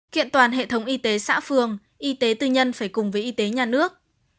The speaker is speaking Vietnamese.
kiện toàn hệ thống y tế xã phường y tế tư nhân phải cùng với y tế nhà nước